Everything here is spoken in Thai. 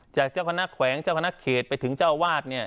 จากเจ้าคณะแขวงเจ้าคณะเขตไปถึงเจ้าวาดเนี่ย